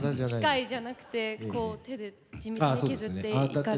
機械じゃなくてこう手で地道に削っていかれる。